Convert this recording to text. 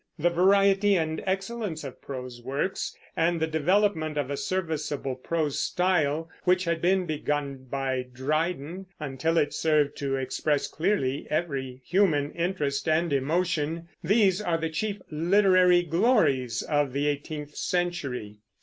The variety and excellence of prose works, and the development of a serviceable prose style, which had been begun by Dryden, until it served to express clearly every human interest and emotion, these are the chief literary glories of the eighteenth century.